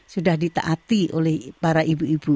sudah ditaati oleh para ibu ibu